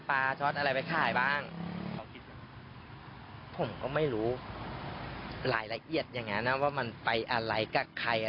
ผมก็ไม่รู้หลายละเอียดยังไงนะว่ามันไปอะไรกับใคร